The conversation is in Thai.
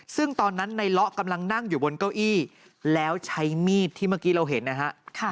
ซึ่งตอนนั้นในเลาะกำลังนั่งอยู่บนเก้าอี้แล้วใช้มีดที่เมื่อกี้เราเห็นนะฮะ